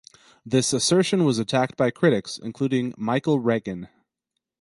This assertion was attacked by critics, including Michael Reagan.